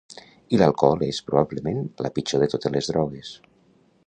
I l'alcohol és, probablement, la pitjor de totes les drogues.